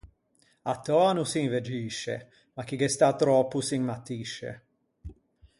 À töa no s’invegisce, ma chi ghe stà tròppo s’inmattisce.